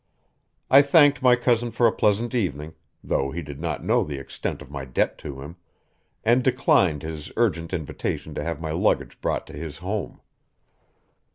I thanked my cousin for a pleasant evening though he did not know the extent of my debt to him and declined his urgent invitation to have my luggage brought to his home.